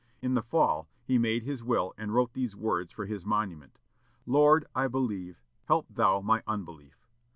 In the fall he made his will, and wrote these words for his monument, "Lord, I believe; help thou mine unbelief.